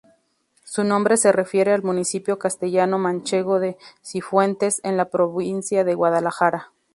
Su nombre se refiere al municipio castellano-manchego de Cifuentes, en la provincia de Guadalajara.